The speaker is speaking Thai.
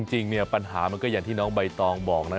จริงเนี่ยปัญหามันก็อย่างที่น้องใบตองบอกนะ